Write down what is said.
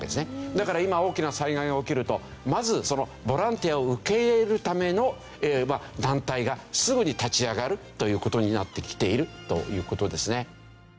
だから今大きな災害が起きるとまずそのボランティアを受け入れるための団体がすぐに立ち上がるという事になってきているという事ですね。